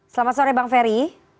selamat sore bang ferry